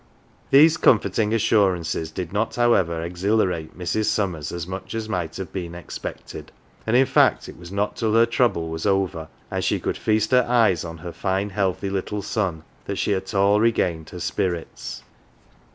These comforting assurances did not, however, exhila rate Mrs. Summers as much as might have been expected, and in fact it was not till her trouble was over and she could feast her eyes on her fine healthy little son that she at all regained her spirits.